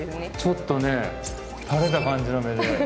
ちょっとね垂れた感じの目で。